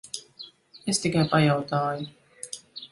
Es tikai pajautāju.